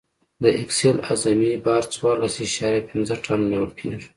د اکسل اعظمي بار څوارلس اعشاریه پنځه ټنه نیول کیږي